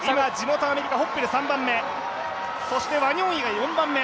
アメリカ・ホッペル３番目そしてワニョンイが４番目。